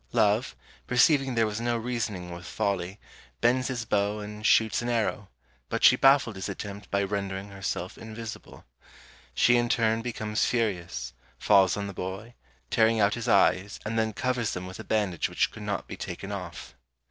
Love, perceiving there was no reasoning with Folly, bends his bow and shoots an arrow; but she baffled his attempt by rendering herself invisible. She in her turn becomes furious, falls on the boy, tearing out his eyes, and then covers them with a bandage which could not be taken off.